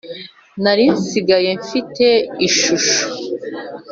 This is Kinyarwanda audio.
nari nsigaye mfite ishusho